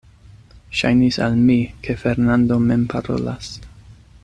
Ŝajnis al mi, ke Fernando mem parolas.